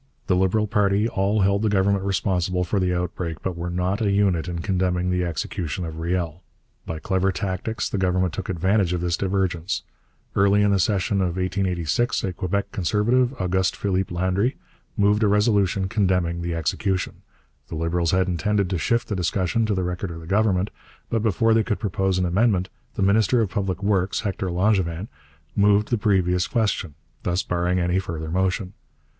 The Liberal party all held the Government responsible for the outbreak, but were not a unit in condemning the execution of Riel. By clever tactics the Government took advantage of this divergence. Early in the session of 1886 a Quebec Conservative, Auguste Philippe Landry, moved a resolution condemning the execution. The Liberals had intended to shift the discussion to the record of the Government, but before they could propose an amendment, the minister of Public Works, Hector Langevin, moved the previous question, thus barring any further motion.